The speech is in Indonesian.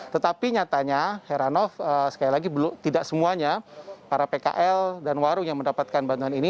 tetapi nyatanya heranov sekali lagi tidak semuanya para pkl dan warung yang mendapatkan bantuan ini